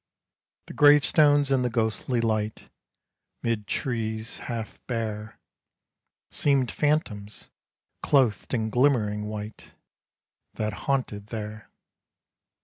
The gravestones in the ghostly light, 'Mid trees half bare, Seemed phantoms, clothed in glimmering white, That haunted there.